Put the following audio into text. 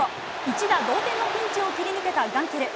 一打同点のピンチを切り抜けたガンケル。